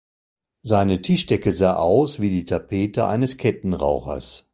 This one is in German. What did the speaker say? Seine Tischdecke sah aus wie die Tapete eines Kettenrauchers.